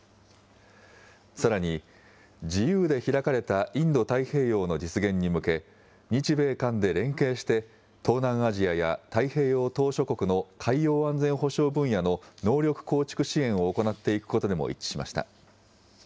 さらに、自由で開かれたインド太平洋の実現に向け、日米韓で連携して、東南アジアや太平洋島しょ国の海洋安全保障分野の能力構築支援を行っていくことでも一致しました。